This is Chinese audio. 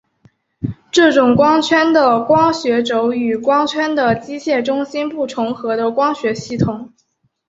这种光圈的光学轴与光圈的机械中心不重合的光学系统。